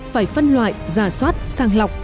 phải phân loại giả soát sang lọc